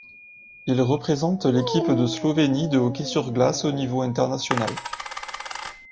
Il représente l'Équipe de Slovénie de hockey sur glace au niveau international.